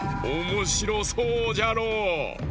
おもしろそうじゃろう？